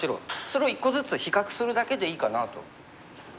それを１個ずつ比較するだけでいいかなと思うんですね。